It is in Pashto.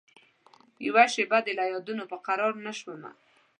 یوه شېبه دي له یادونوپه قرارنه شومه